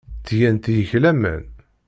Ttgent deg-k laman.